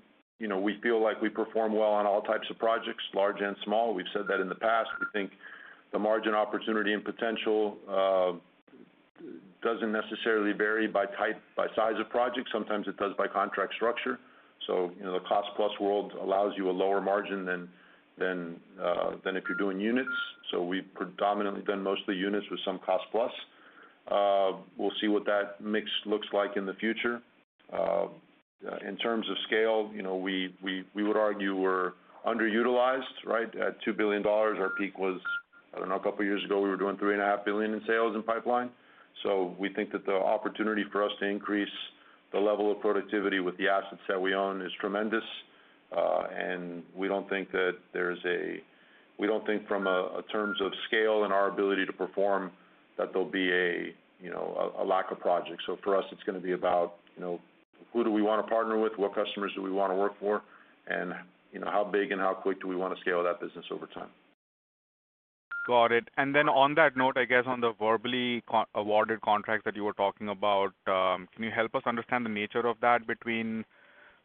S3: feel like we perform well on all types of projects, large and small. We've said that in the past. We think the margin opportunity and potential doesn't necessarily vary by type, by size of project. Sometimes it does by contract structure. The cost plus world allows you a lower margin than if you're doing units. We've predominantly done most of the units with some cost plus. We'll see what that mix looks like in the future. In terms of scale, we would argue we're underutilized at $2 billion. Our peak was, I don't know, a couple years ago. We were doing $3.5 billion in sales in pipeline. We think that the opportunity for us to increase the level of productivity with the assets that we own is tremendous. We don't think from terms of scale and our ability to perform that there'll be a lack of projects. For us, it's going to be about who do we want to partner with, what customers do we want to work for, and how big and how quick do we want to scale that business over time.
S10: Got it. On that note, I guess on the verbally awarded contracts that you were talking about, can you help us understand the nature of that between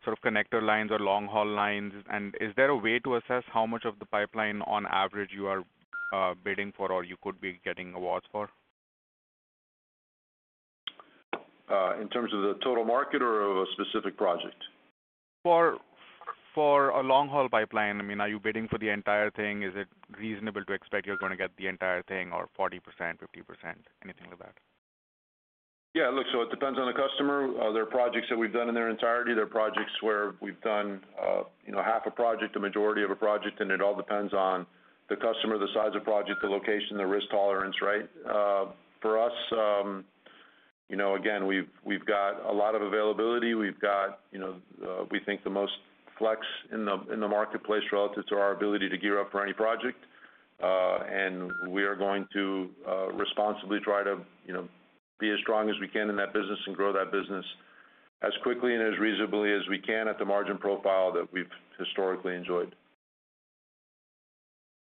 S10: sort of connector lines or long haul lines? Is there a way to assess how much of the pipeline on average you are bidding for or you could be getting awards for?
S3: In terms of the total market or of a specific.
S10: Project for a long haul pipeline? I mean, are you bidding for the entire thing? Is it reasonable to expect you're going to get the entire thing, or 40%, 50%, anything like that?
S3: Yeah, look, it depends on the customer. There are projects that we've done in their entirety. There are projects where we've done half a project, the majority of a project. It all depends on the customer, the size of project, the location, the risk tolerance. For us, we've got a lot of availability. We think the most flex in the marketplace relative to our ability to gear up for any project. We are going to responsibly try to be as strong as we can in that business and grow that business as quickly and as reasonably as we can at the margin profile that we've historically enjoyed.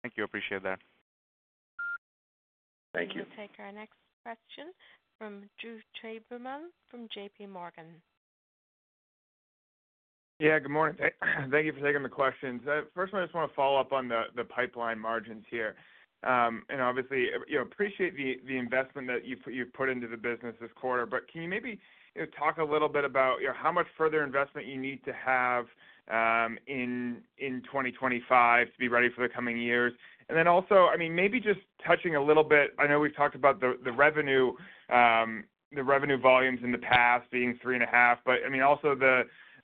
S10: Thank you. Appreciate that. Thank you.
S1: We'll take our next question from Drew Saberhagen from J.P. Morgan.
S11: Yeah, good morning. Thank you for taking the questions. First of all, I just want to follow up on the pipeline margins here and obviously appreciate the investment that you've put into the business this quarter. Can you maybe talk a little bit about how much further investment you need to have in 2025 to be ready for the coming years? Also, maybe just touching a little bit, I know we've talked about the revenue volumes in the past being $3.5 billion, but also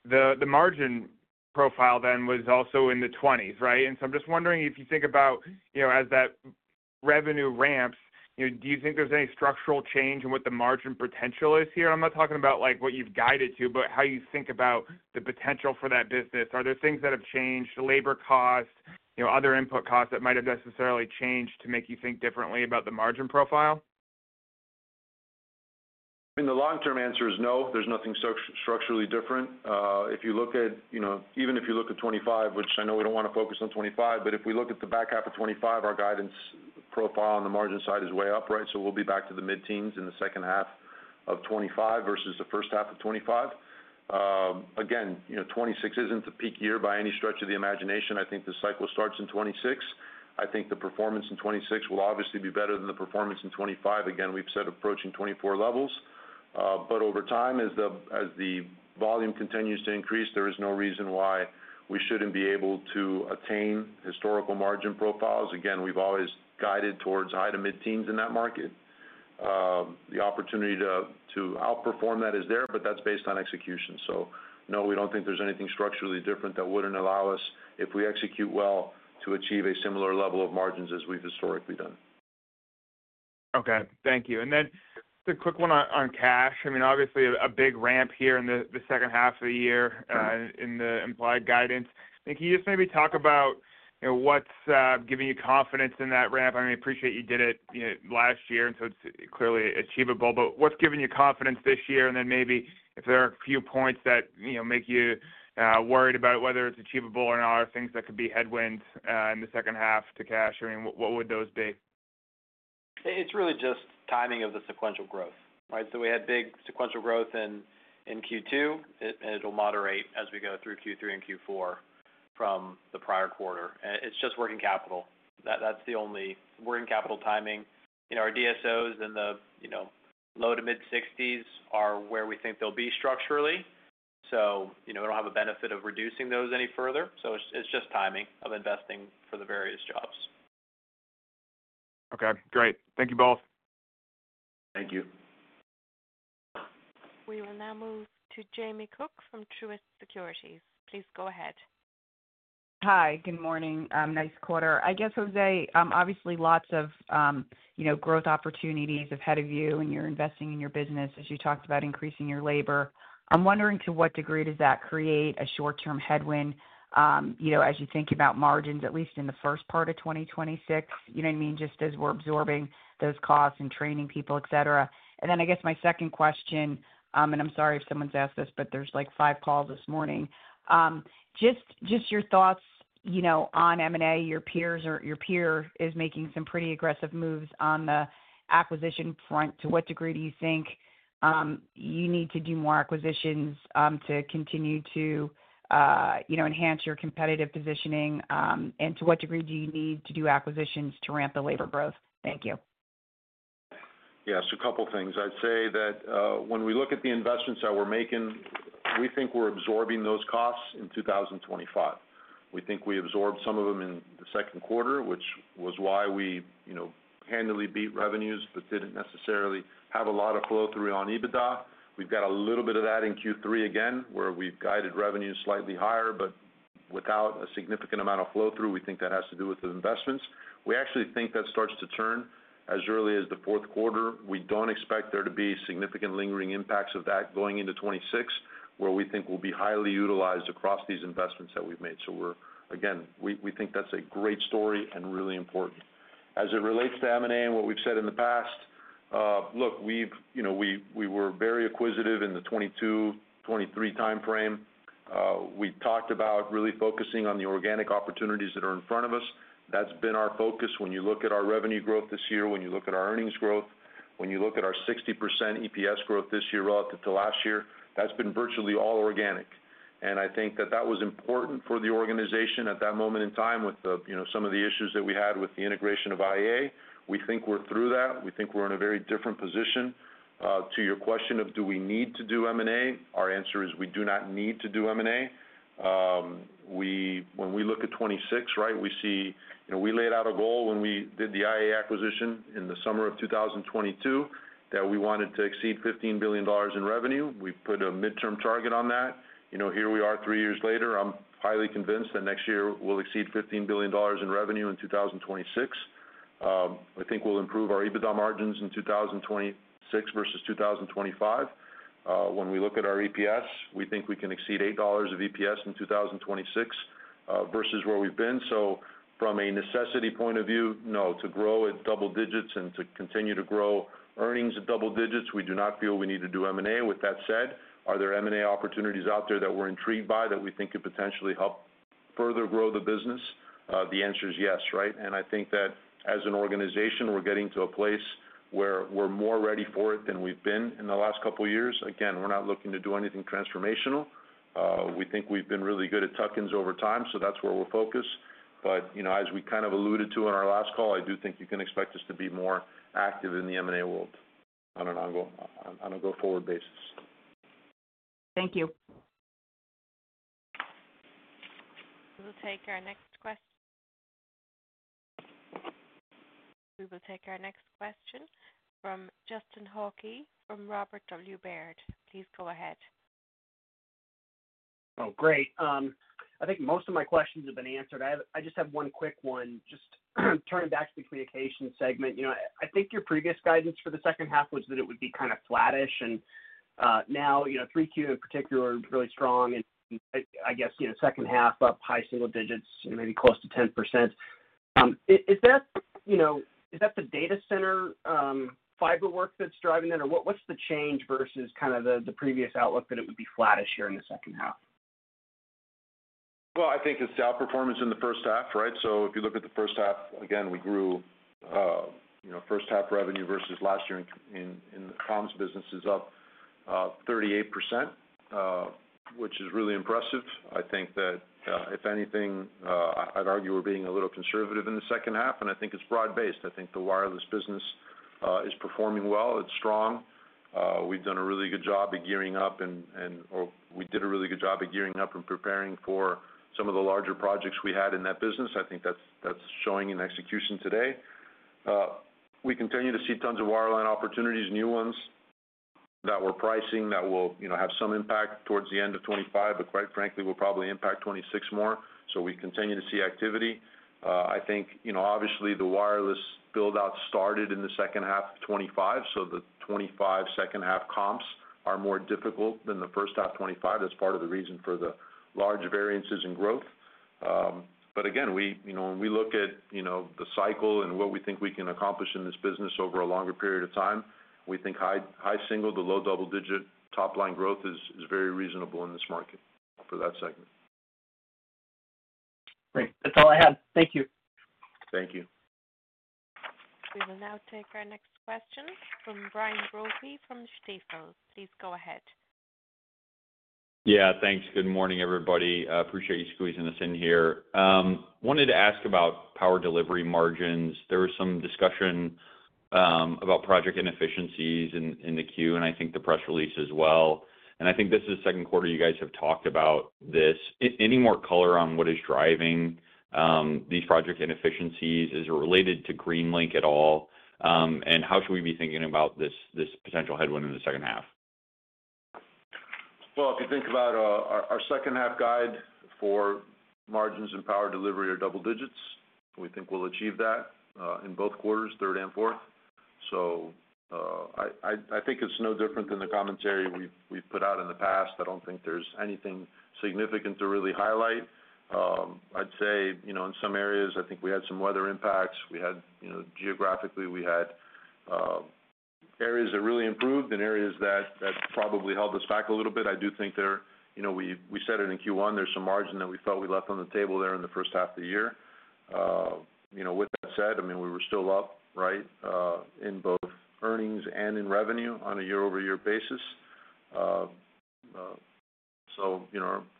S11: the margin profile then was also in the 20%. Right. I'm just wondering if you think about, you know, as that revenue ramps, do you think there's any structural change in what the margin potential is here? I'm not talking about like what you've guided to, but how you think about the potential for that business. Are there things that have changed, labor costs, you know, other input costs that might have necessarily changed to make you think differently about the margin profile.
S3: In the long term, the answer is no. There's nothing structurally different if you look at, you know, even if you look at 2025, which I know we don't want to focus on 2025, but if we look at the back half of 2025, our guidance profile on the margin side is way up. Right. We'll be back to the mid teens in second half 2025 versus first half 2025. Again, you know, 2026 isn't the peak year by any stretch of the imagination. I think the cycle starts in 2026. I think the performance in 2026 will obviously be better than the performance in 2025. Again, we've said approaching 2024 levels, but over time as the volume continues to increase, there is no reason why we shouldn't be able to attain historical margin profiles. Again, we've always guided towards high to mid teens in that market. The opportunity to outperform that is there, but that's based on execution. No, we don't think there's anything structurally different that wouldn't allow us, if we execute well, to achieve a similar level of margins as we've historically done.
S11: Okay, thank you. A quick one on cash. Obviously, a big ramp here in the second half of the year in the implied guidance. Can you just maybe talk about what's giving you confidence in that ramp? I appreciate you did it last year, so it's clearly achievable. What's giving you confidence this year? If there are a few points that make you worried about whether it's achievable or not, or things that could be headwinds in the second half to cash, what would those be?
S4: It's really just timing of the sequential growth.
S11: Right.
S4: We had big sequential growth in Q2, and it'll moderate as we go through Q3 and Q4 from the prior quarter. It's just working capital. That's the only working capital timing. Our DSOs in the low to mid-60s are where we think they'll be structurally. We don't have a benefit of reducing those any further. It's just timing of investing for the various jobs.
S11: Okay, great. Thank you both.
S3: Thank you.
S1: We will now move to Jamie Cook from Truist Securities. Please go ahead.
S12: Hi, good morning. Nice quarter, I guess, Jose. Obviously lots of, you know, growth opportunities ahead of you and you're investing in your business. As you talked about increasing your labor, I'm wondering to what degree does that create a short term headwind, you know, as you think about margins, at least in the first part of 2026, you know what I mean? Just as we're absorbing those costs and training people, et cetera. My second question, and I'm sorry if someone's asked this, but there's like five calls this morning. Just your thoughts, you know, on M&A. Your peers or your peer is making some pretty aggressive moves on the acquisition front. To what degree do you think you need to do more acquisitions to continue to, you know, enhance your competitive positioning? To what degree do you need to do acquisitions to ramp the labor growth? Thank you.
S3: Yes, a couple things. I'd say that when we look at the investments that we're making, we think we're absorbing those costs in 2025. We think we absorbed some of them in the second quarter, which was why we handily beat revenues, but didn't necessarily have a lot of flow through on EBITDA. We've got a little bit of that in Q3 again, where we've guided revenues slightly higher but without a significant amount of flow through. We think that has to do with the investments. We actually think that starts to turn as early as the fourth quarter. We don't expect there to be significant lingering impacts of that going into 2026, where we think we'll be highly utilized across these investments that we've made. We're, again, we think that's a great story and really important as it relates to M&A and what we've said in the past. Look, we were very acquisitive. In the 2022, 2023 timeframe, we talked about really focusing on the organic opportunities that are in front of us. That's been our focus. When you look at our revenue growth this year, when you look at our earnings growth, when you look at our 60% EPS growth this year relative to last year, that's been virtually all organic. I think that that was important for the organization at that moment in time. With some of the issues that we had with the integration of IEA, we think we're through that. We think we're in a very different position. To your question of do we need to do M&A, our answer is we do not need to do material. When we look at 2026, we see, you know, we laid out a goal when we did the IEA acquisition in the summer of 2022 that we wanted to exceed $15 billion in revenue. We put a midterm target on that. Here we are three years later. I'm highly convinced that next year we'll exceed $15 billion in revenue. In 2026, I think we'll improve our EBITDA margins in 2026 versus 2025. When we look at our EPS, we think we can exceed $8 of EPS in 2026 versus where we've been. From a necessity point of view, no, to grow at double digits and to continue to grow earnings at double digits, we do not feel we need to do M&A. With that said, are there M&A opportunities out there that we're intrigued by that we think could potentially help further grow the business? The answer is yes. I think that as an organization we're getting to a place where we're more ready for it than we've been in the last couple years. Again, we're not looking to do anything transformational. We think we've been really good at tuck-ins over time, so that's where we'll focus. As we kind of alluded to in our last call, I do think you can expect us to be more active in the M&A world on a go-forward basis.
S12: Thank you.
S1: We'll take our next question. We will take our next question from Justin Hawkey from Robert W. Baird. Please go ahead.
S13: Oh, great. I think most of my questions have been answered. I just have one quick one. Just turning back to the communications segment. I think your previous guidance for the second half was that it would be kind of flattish, and now 3Q in particular, really strong, and I guess second half up high single digits, maybe close to 10%. Is that the data center fiber work that's driving that, or what's the change versus the previous outlook that it would be flattish here in the second half?
S3: I think it's the outperformance in the first half. Right. If you look at the first half again, we grew first half revenue versus last year in the comms businesses, up 38%, which is really impressive. I think that if anything, I'd argue we're being a little conservative in the second half. I think it's broad based. I think the wireless business is performing well, it's strong. We've done a really good job of gearing up and preparing for some of the larger projects we had in that business. I think that's showing in execution today. We continue to see tons of wireline opportunities, new ones that we're pricing. Will have some impact towards the end of 2025, but quite frankly it'll probably impact 2026 more. We continue to see activity. I think obviously the wireless build out started in 2H2025, so the 2025 second half comps are more difficult than the first half 2025. That's part of the reason for the large variances in growth. Again, when we look at the cycle and what we think we can accomplish in this business over a longer period of time, we think high single to low double digit top line growth is very reasonable in this market for that segment.
S13: Great. That's all I have. Thank you.
S3: Thank you.
S1: We will now take our next question from Brian Rongey from Stifel. Please go ahead.
S14: Yeah, thanks. Good morning everybody. Appreciate you squeezing us in here. Wanted to ask about power delivery margins. There was some discussion about project inefficiencies in the queue, and I think the press release as well. I think this is second quarter. You guys have talked about this. Any more color on what is driving these project inefficiencies? Is it related to Greenlink at all, and how should we be thinking about this potential headwind in the second half?
S3: If you think about our second. Half guide for margins and power delivery are double digits. We think we'll achieve that in both quarters, third and fourth. I think it's no different than the commentary we've put out in the past. I don't think there's anything significant to really highlight. In some areas I think we had some weather impacts. Geographically we had areas that really improved and areas that probably held us back a little bit. I do think there, you know, we said it in Q1, there's some margin that we felt we left on the table there in the first half of the year. With that said, I mean we were still up, right, in both earnings and in revenue on a year over year basis.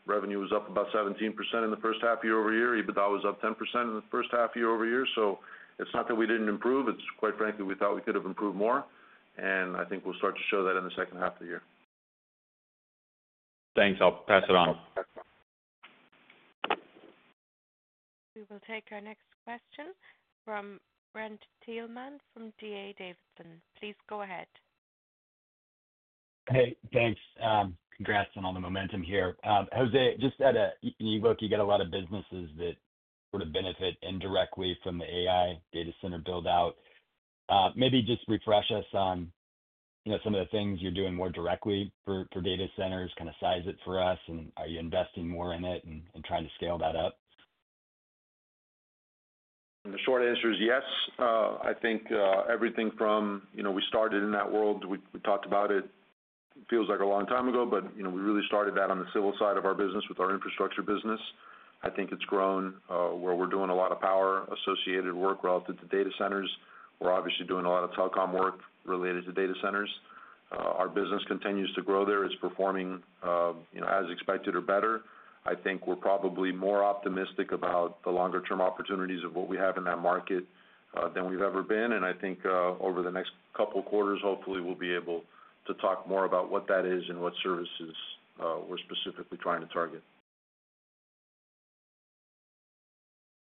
S3: Revenue was up about 17% in the first half, year over year. EBITDA was up 10% in the first. Half year over year. It is not that we did not improve. Quite frankly, we thought we could have improved more, and I think we will start to show that in the second half of the year.
S14: Thanks. I will pass it on.
S1: We will take our next question from Brent Thielman from DA Davidson. Please go ahead.
S15: Hey, thanks. Congrats on all the momentum here. Jose, just out of you got a lot of businesses that benefit indirectly from the AI data center build out. Maybe just refresh us on some of the things you're doing more directly for data centers, kind of size it for us, and are you investing more in it and trying to scale that up?
S3: The short answer is yes. I think everything from we started in that world, we talked about it feels like a long time ago, but we really started that on the civil side of our business with our infrastructure business. I think it's grown where we're doing a lot of power associated work relative to data centers. We're obviously doing a lot of telecom work related to data centers. Our business continues to grow there. It's performing as expected or better. I think we're probably more optimistic about the longer term opportunities of what we have in that market than we've ever been. I think over the next couple quarters, hopefully we'll be able to talk more about what that is and what services we're specifically trying to target.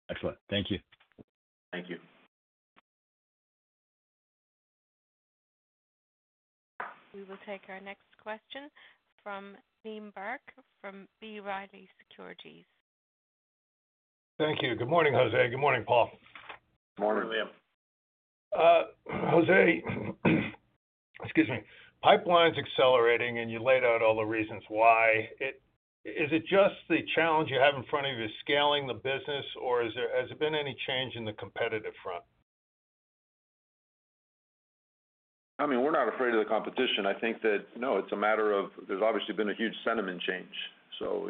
S15: Excellent. Thank you.
S3: Thank you.
S1: We will take our next question from Liam Burke from B. Riley Securities.
S16: Thank you. Good morning, Jose. Good morning, Paul.
S4: Good morning, Liam.
S16: Excuse me. Pipeline's accelerating and you laid out all the reasons why. Is it just the challenge you have in front of you scaling the business, or has it been any change in the competitive front?
S3: I mean, we're not afraid of the competition. I think that, no, it's a matter of there's obviously been a huge sentiment change.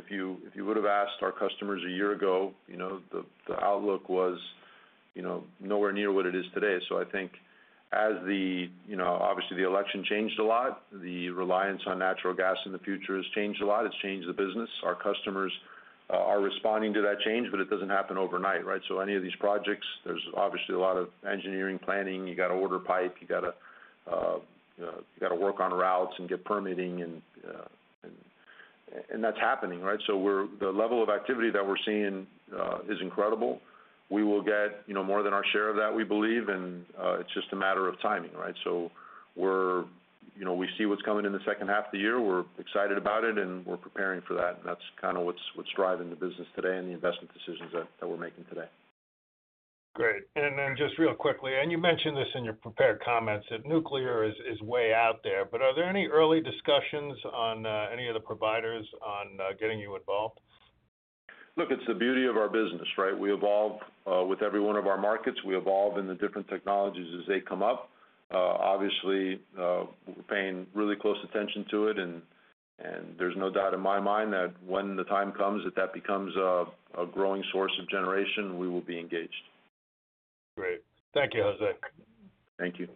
S3: If you would have asked our customers a year ago, the outlook was nowhere near what it is today. I think the election changed a lot. The reliance on natural gas in the future has changed a lot. It's changed the business. Our customers are responding to that change, but it doesn't happen overnight. Any of these projects, there's obviously a lot of engineering planning. You have to order pipe, you have to work on routes and get permitting, and that's happening. The level of activity that we're seeing is incredible. We will get more than our share of that, we believe. It's just a matter of timing. We see what's coming in the second half of the year. We're excited about it, and we're preparing for that. That's what's driving the business today and the investment decisions that we're making today.
S16: Great. Just real quickly, you mentioned this in your prepared comments, that nuclear is way out there. Are there any early discussions on any of the providers on getting you involved?
S3: Look, it's the beauty of our business, right? We evolve with every one of our markets. We evolve in the different technologies as they come up. Obviously, we're paying really close attention to it. There's no doubt in my mind that when the time comes that that becomes a growing source of generation, we will be engaged.
S16: Great. Thank you, Jose.
S3: Thank you.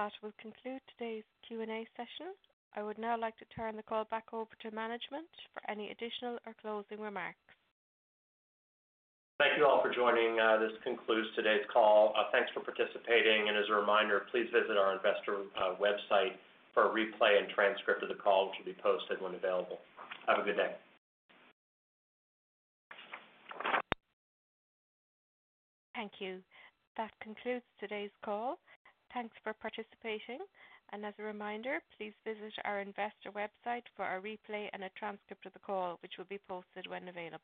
S1: That will conclude today's Q&A session. I would now like to turn the call back over to management for any additional or closing remarks.
S2: Thank you all for joining. This concludes today's call. Thanks for participating. Please visit our investor website for a replay and transcript of the call, which will be posted when available. Have a good day.
S1: Thank you. That concludes today's call. Thanks for participating. As a reminder, please visit our investor website for a replay and a transcript of the call, which will be posted when available.